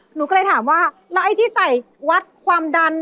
หนูก็เลยถามว่าแล้วไอ้ที่ใส่วัดความดัน